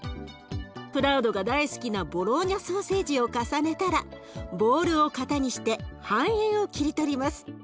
プラウドが大好きなボローニャソーセージを重ねたらボウルを型にして半円を切り取ります。